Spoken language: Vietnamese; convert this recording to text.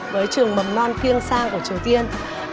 với trường mầm non kiêng sang của triều tiên